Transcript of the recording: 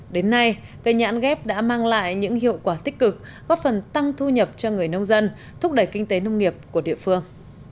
đến nay cây nhãn ghép đã mang lại những hiệu quả tích cực góp phần tăng thu nhập cho người nông dân thúc đẩy kinh tế nông nghiệp của địa phương